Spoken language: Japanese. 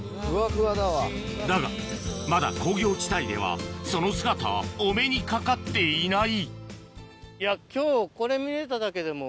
だがまだ工業地帯ではその姿お目にかかっていない今日。